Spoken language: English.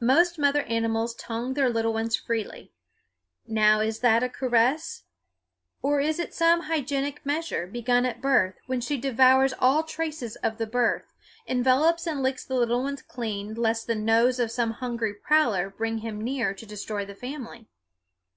Most mother animals tongue their little ones freely. Now is that a caress, or is it some hygienic measure begun at birth, when she devours all traces of the birth envelopes and licks the little ones clean lest the nose of some hungry prowler bring him near to destroy the family?